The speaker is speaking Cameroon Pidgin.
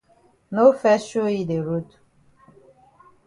No fes show yi de road.